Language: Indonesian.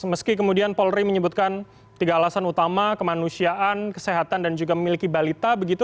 meski kemudian polri menyebutkan tiga alasan utama kemanusiaan kesehatan dan juga memiliki balita begitu